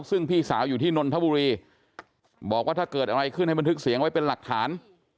ซึ่งพี่สาวอยู่ที่นนทบุรีบอกว่าถ้าเกิดอะไรขึ้นให้บันทึกเสียงไว้เป็นหลักฐาน